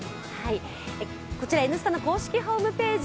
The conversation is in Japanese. こちら「Ｎスタ」の公式ホームページ